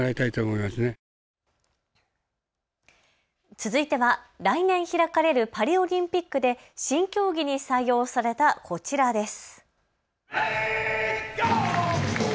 続いては来年開かれるパリオリンピックで新競技に採用されたこちらです。